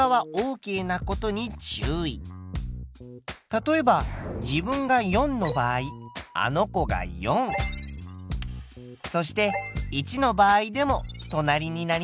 例えば自分が４の場合あの子が４そして１の場合でも隣になります。